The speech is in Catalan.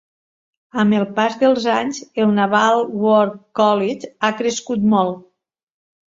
Amb el pas dels anys, el Naval War College ha crescut molt.